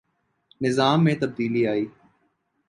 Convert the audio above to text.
نظام میں تبدیلی آئے۔